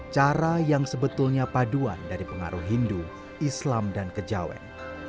cara yang sebetulnya paduan dari pengaruh hindu islam dan kejawen